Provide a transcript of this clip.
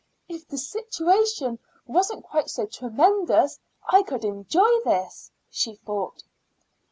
"If the situation wasn't quite so tremendous I could enjoy this," she thought.